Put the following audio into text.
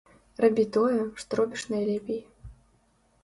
Рабі тое, што робіш найлепей.